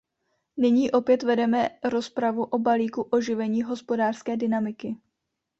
Nyní opět vedeme rozpravu o balíku oživení hospodářské dynamiky.